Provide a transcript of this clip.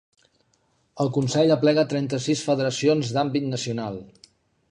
El Consell aplega trenta-sis federacions d'àmbit nacional.